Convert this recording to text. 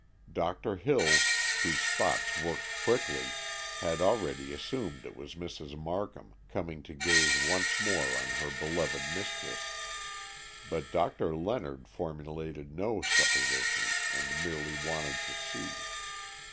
Doctor Hills, whose thoughts worked quickly, had already assumed it was Mrs. Markham, coming to gaze once more on her beloved mistress; but Doctor Leonard formulated no supposition and merely waited to see.